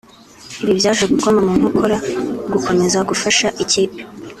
ibi byaje gukoma mu nkokora gukomeza gufasha ikipe